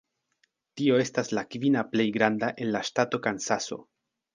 Tio estas la kvina plej granda en la ŝtato Kansaso.